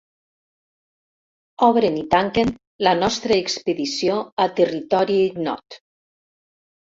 Obren i tanquen la nostra expedició a territori ignot.